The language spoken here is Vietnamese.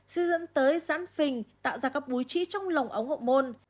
sẽ dẫn tới giãn phình tạo ra các búi trĩ trong lồng ống hậu môn